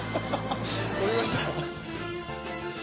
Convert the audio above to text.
撮りました？